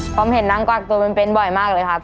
ผมเห็นนางกวักตัวเป็นบ่อยมากเลยครับ